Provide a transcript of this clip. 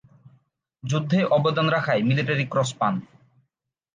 যুদ্ধে অবদান রাখায় মিলিটারী ক্রস পান।